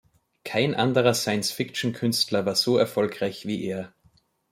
Kein anderer Science-Fiction-Künstler war so erfolgreich wie er.